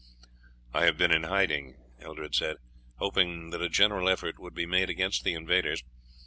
"I have been in hiding," Eldred said, "hoping that a general effort would be made against the invaders.